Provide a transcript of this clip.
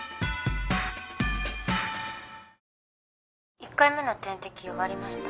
１回目の点滴終わりました。